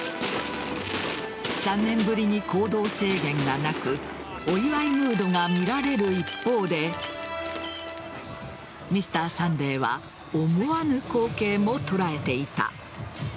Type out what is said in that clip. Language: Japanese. ３年ぶりに行動制限がなくお祝いムードが見られる一方で「Ｍｒ．サンデー」は思わぬ光景も捉えていた。